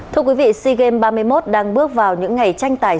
thưa quý vị sea games ba mươi một đang bước vào những ngày tranh tài